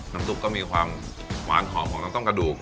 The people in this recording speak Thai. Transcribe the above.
น้ำซุปก็มีความหวานหอมของต้มกระดูก